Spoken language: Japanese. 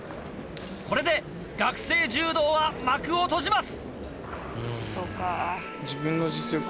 これで学生柔道は幕を閉じます。